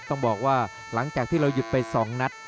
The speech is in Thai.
ต้องบอกว่าหลังจากที่เราหยุดไป๒นัด